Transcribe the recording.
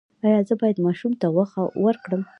ایا زه باید ماشوم ته غوښه ورکړم؟